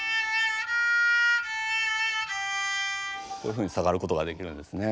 こういうふうに下がることができるんですね。